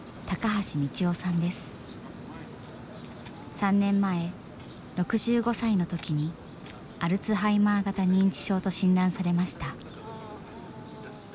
３年前６５歳の時にアルツハイマー型認知症と診断されました。